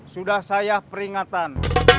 sudah saya peringatan